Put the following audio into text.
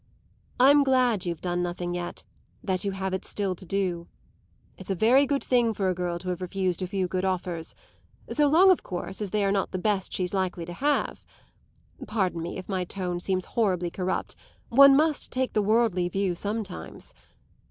"I'm glad you've done nothing yet that you have it still to do. It's a very good thing for a girl to have refused a few good offers so long of course as they are not the best she's likely to have. Pardon me if my tone seems horribly corrupt; one must take the worldly view sometimes.